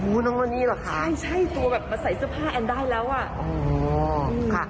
อู้นั่นนี่หรอคะใช่ใช่ตัวแบบมาใส่เสื้อผ้าแอนได้แล้วอ่ะอ๋อค่ะ